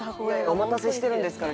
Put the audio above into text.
お待たせしてるんですから。